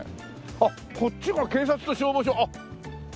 あっこっちが警察と消防署。